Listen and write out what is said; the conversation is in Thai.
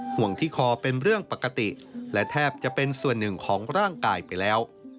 ห่วงที่คอเป็นเรื่องปกติและแทบจะเป็นส่วนหนึ่งของร่างกายไปแล้ว